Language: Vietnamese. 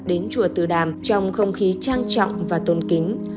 đến chùa tự đàm trong không khí trang trọng và tôn kính